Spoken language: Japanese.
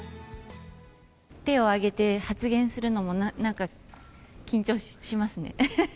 手を挙げて発言するのも緊張しますね。